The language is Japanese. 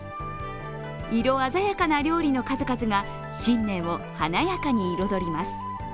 色鮮やかな料理の数々が新年を華やかに彩ります。